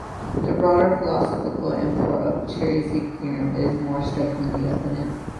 The broader philosophical import of Tarski's theorem is more strikingly evident.